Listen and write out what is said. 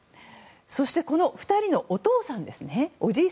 そして、この２人のお父さん